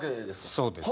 そうです。